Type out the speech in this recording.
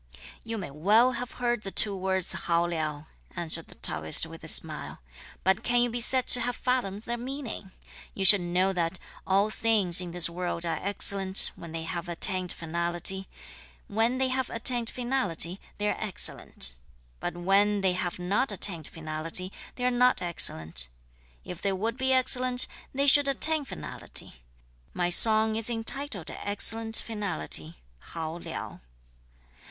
"You may well have heard the two words 'hao liao,'" answered the Taoist with a smile, "but can you be said to have fathomed their meaning? You should know that all things in this world are excellent, when they have attained finality; when they have attained finality, they are excellent; but when they have not attained finality, they are not excellent; if they would be excellent, they should attain finality. My song is entitled Excellent finality (hao liao)."